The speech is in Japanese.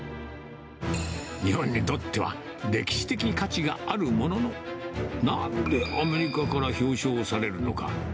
日本にとっては歴史的価値があるものの、なんでアメリカから表彰されるのか。